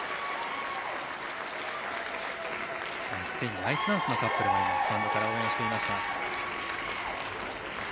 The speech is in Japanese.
スペインのアイスダンスのカップルもスタンドから応援していました。